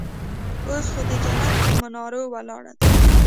اوس خو د جنت پهٔ منارو ولاړه ده